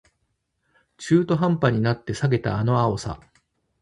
中途半端になって避けたあの青さ